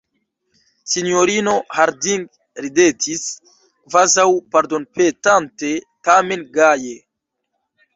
Sinjorino Harding ridetis, kvazaŭ pardonpetante, tamen gaje: